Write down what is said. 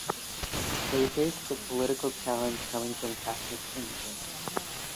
They faced the political challenge coming from Catholic immigrants.